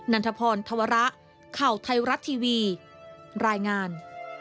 ันทพรธวระข่าวไทยรัฐทีวีรายงาน